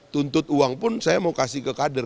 tuntut uang pun saya mau kasih ke kader